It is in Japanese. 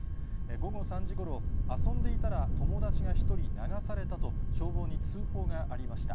午後３時ごろ、遊んでいたら友達が１人流されたと、消防に通報がありました。